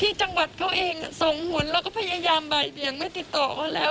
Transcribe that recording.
ที่จังหวัดเขาเองส่งหวนเราก็พยายามบ่ายเบียงไม่ติดต่อเขาแล้ว